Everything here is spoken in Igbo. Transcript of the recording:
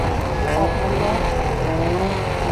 Ọkpụnọ